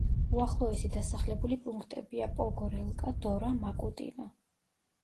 უახლოესი დასახლებული პუნქტებია: პოგორელკა, დორა, მაკუტინო.